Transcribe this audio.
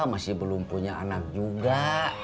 masih belum punya anak juga